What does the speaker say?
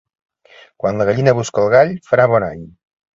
Quan la gallina busca el gall, farà bon any.